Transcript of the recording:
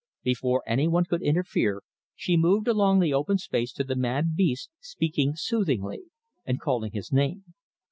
Before any one could interfere she moved along the open space to the mad beast, speaking soothingly, and calling his name.